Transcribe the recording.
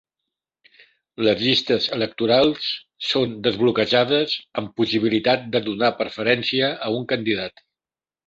Les llistes electorals són desbloquejades, amb possibilitat de donar preferència a un candidat.